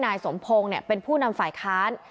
นายสมพงศ์เป็นผู้นำฝ่ายค้าน